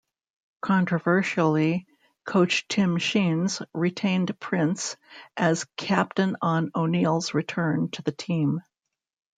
Controversially, coach Tim Sheens retained Prince as captain on O'Neill's return to the team.